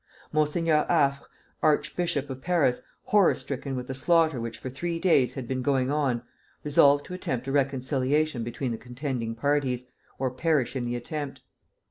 Monseigneur Affre, archbishop of Paris, horror stricken with the slaughter which for three days had been going on, resolved to attempt a reconciliation between the contending parties, or perish in the attempt.